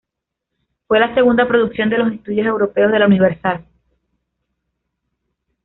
Fue la segunda producción de los estudios europeos de la Universal.